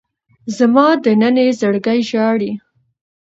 زما دننه زړګی ژاړي